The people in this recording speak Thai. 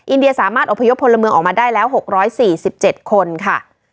อินเดียสามารถอพยพพลเมืองออกมาได้แล้ว๖๔๗คนค่ะ